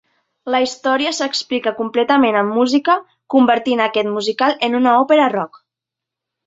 La història s'explica completament amb música, convertint aquest musical en una òpera rock.